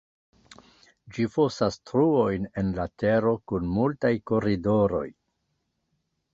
Ĝi fosas truojn en la tero kun multaj koridoroj.